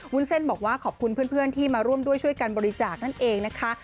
วุ้นเส้นบอกว่าขอบคุณเพื่อนที่มาร่วมด้วยช่วยกันบริจาคนั่นเองนะคะ